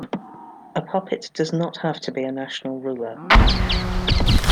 A puppet does not have to be a national ruler.